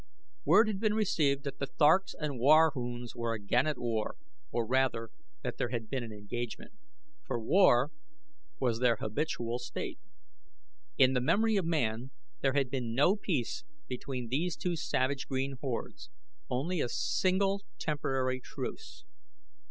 Word had been received that the Tharks and Warhoons were again at war, or rather that there had been an engagement, for war was their habitual state. In the memory of man there had been no peace between these two savage green hordes only a single temporary truce.